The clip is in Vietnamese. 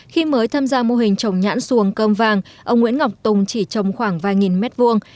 khi mới tham gia mô hình trồng nhãn xuồng cơm vàng ông nguyễn ngọc tùng chỉ trồng khoảng vài nghìn mét vuông